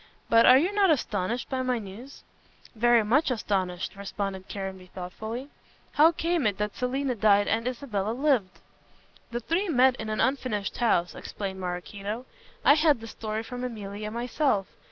But are you not astonished by my news?" "Very much astonished," responded Caranby thoughtfully, "how came it that Selina died and Isabella lived?" "The three met in the unfinished house," explained Maraquito. "I had the story from Emilia myself.